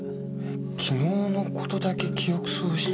昨日の事だけ記憶喪失？